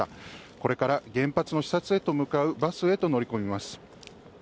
これから原発の視察へと向かうバスへと乗り込みます